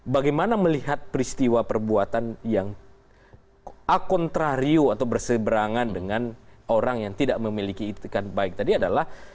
bagaimana melihat peristiwa perbuatan yang akontrario atau berseberangan dengan orang yang tidak memiliki itikan baik tadi adalah